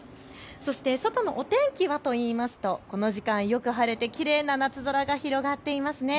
そして外のお天気はといいますとこの時間、よく晴れてきれいな夏空が広がっています。